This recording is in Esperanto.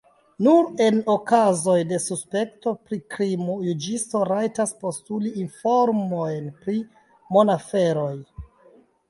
Nur en okazoj de suspekto pri krimo juĝisto rajtas postuli informojn pri monaferoj.